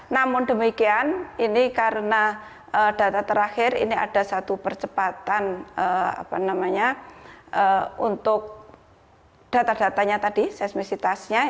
namun demikian ini karena data terakhir ini ada satu percepatan untuk data datanya tadi seismisitasnya